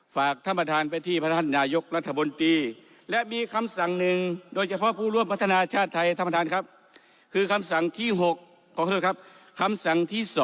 ฝากธรรมฐานไปที่พัฒนธรรมนายมนตรี